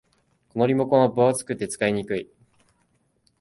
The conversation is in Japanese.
このリモコンは分厚くて使いにくい